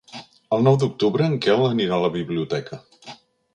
El nou d'octubre en Quel anirà a la biblioteca.